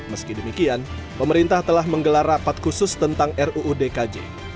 meski demikian pemerintah telah menggelar rapat khusus tentang ruu dkj